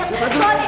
lepas dulu ya